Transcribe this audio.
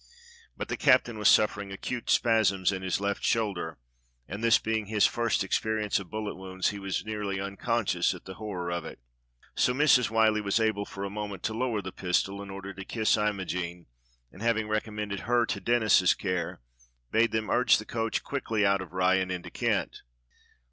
But the captain was suffering acute spasms in his left shoulder, and this being his first experience of bullet wounds, he was nearly uncon scious at the horror of it. So Mrs. Why Hie was able for a moment to lower the pistol in order to kiss Imo gene, and having recommended her to Denis's care, bade them urge the coach quickly out of Rye and into Kent.